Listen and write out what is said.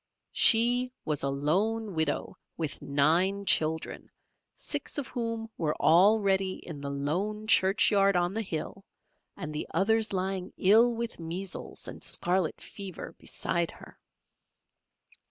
She was a lone widow with nine children, six of whom were already in the lone churchyard on the hill, and the others lying ill with measles and scarlet fever beside her.